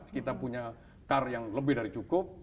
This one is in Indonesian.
kita punya car yang lebih dari cukup